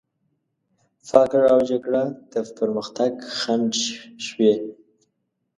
فقر او جګړه د پرمختګ خنډ شوي.